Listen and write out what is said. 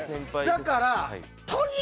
だから。